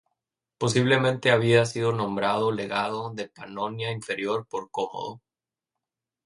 Posiblemente había sido nombrado legado de Panonia Inferior por Cómodo.